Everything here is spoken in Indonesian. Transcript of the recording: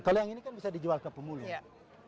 kalau yang ini kan bisa dijual ke pemulung